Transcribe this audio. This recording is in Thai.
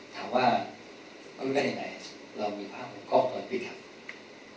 ถามว่ามันไม่ได้ไงเรามีภาพของก็อตตอนปีทักษ์